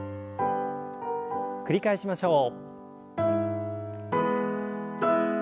繰り返しましょう。